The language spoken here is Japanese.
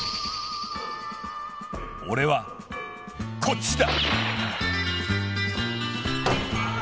オレはこっちだ！